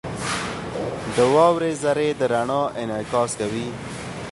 • د واورې ذرې د رڼا انعکاس کوي.